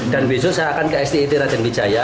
dan besok saya akan ke sd it rajang wijaya